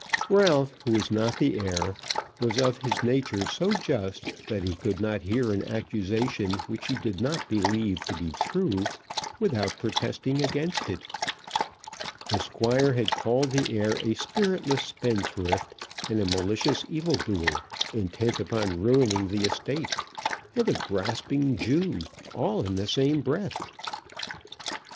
Ralph, who was not the heir, was of his nature so just, that he could not hear an accusation which he did not believe to be true, without protesting against it. The Squire had called the heir a spiritless spendthrift, and a malicious evil doer, intent upon ruining the estate, and a grasping Jew, all in the same breath.